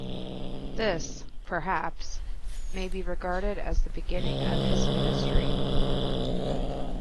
This, perhaps, may be regarded as the beginning of his ministry.